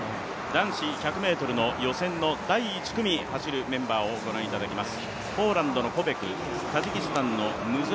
男子１００ｍの予選の第１組走るメンバーをご覧いただきます。